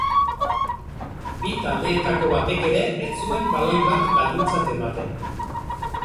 Bi taldeetako batek ere ez zuen baloi bat galdutzat ematen.